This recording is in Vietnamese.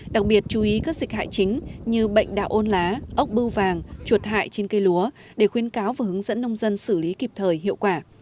đặc biệt chú ý các dịch hại chính như bệnh đạo ôn lá ốc bưu vàng chuột hại trên cây lúa để khuyến cáo và hướng dẫn nông dân xử lý kịp thời hiệu quả